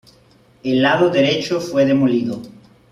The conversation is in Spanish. El lado derecho fue demolido.